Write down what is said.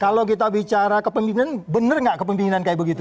kalau kita bicara kepemimpinan bener gak kepemimpinan kayak begitu